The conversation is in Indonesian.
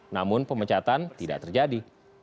namun pemecatan tidak terjadi